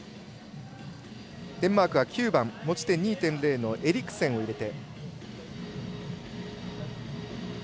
デンマークは９番持ち点２．０のエリクセンを入れて。